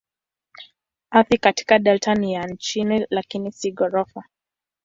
Ardhi katika delta ni ya chini lakini si ghorofa.